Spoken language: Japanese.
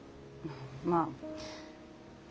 まあ。